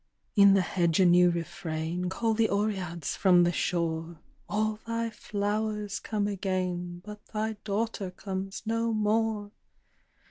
In the hedge a new refrain; Call the Oreads from the shore, "All thy flowers come again, But thy daughter comes no more."